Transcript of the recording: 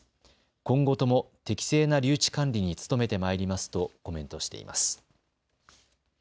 今後とも適正な留置管理に努めてまいりますとコメントしています。